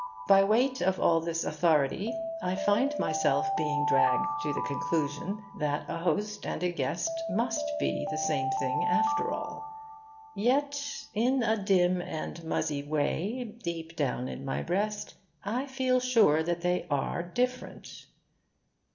By weight of all this authority I find myself being dragged to the conclusion that a host and a guest must be the same thing, after all. Yet in a dim and muzzy way, deep down in my breast, I feel sure that they are different.